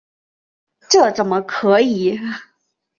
这怎么可以！